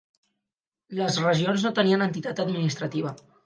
Les regions no tenien entitat administrativa.